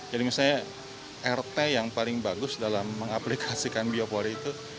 jadi misalnya rt yang paling bagus dalam mengaplikasikan biopori itu